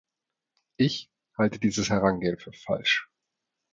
Ich halte dieses Herangehen für falsch.